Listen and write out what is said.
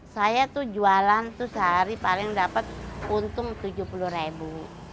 saya tuh jualan tuh sehari paling dapat untung tujuh puluh ribu